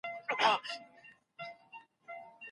لوبغاړي په میدان کې د بریا لپاره خورا زیار وباسي.